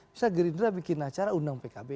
misalnya gerindra bikin acara undang pkb